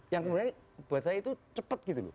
yang kemudian buat saya itu cepet gitu